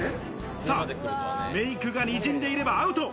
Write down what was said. さぁ、メイクが、にじんでいればアウト。